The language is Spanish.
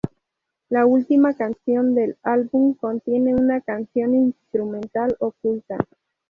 La última canción del álbum, contiene una canción instrumental oculta.